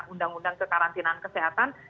undang undang kekarantinaan kesehatan